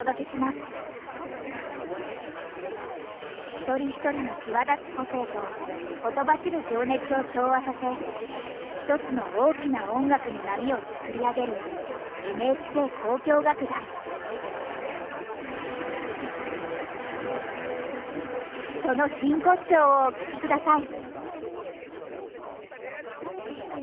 １人１人の際立つ個性とほとばしる情熱を調和させ１つの大きな音楽の波をその真骨頂をお聴き下さい。